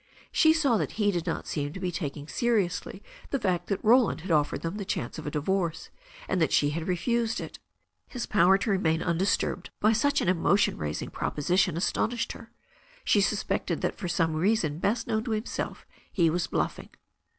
She saw that he did not seem to be taking seriously the fact that Roland had offered them the chance of a divorce, and that she had refused it. His power to remain undisturbed by such an emotion raising proposition astonished her. She suspected that for some reason best known to himself he was bluffing.